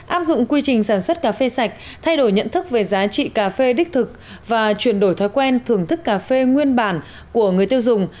áp dụng quy trình sản xuất cà phê sạch thay đổi nhận thức về giá trị cà phê đích thực và chuyển đổi thói quen thưởng thức cà phê nguyên bản của người tiêu dùng